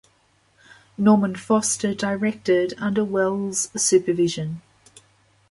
Norman Foster directed under Welles's supervision.